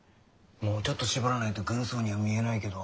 もうちょっと絞らないと軍曹には見えないけど。